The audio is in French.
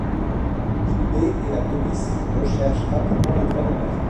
Big B et la police recherchent rapidement les trois donneurs.